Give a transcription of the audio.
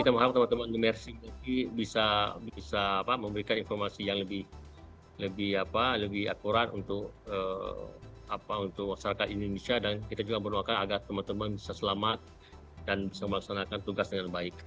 kita mengharap teman teman di mersi bisa memberikan informasi yang lebih akurat untuk masyarakat indonesia dan kita juga berdoakan agar teman teman bisa selamat dan bisa melaksanakan tugas dengan baik